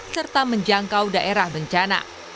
serta menjangkau di lintas udara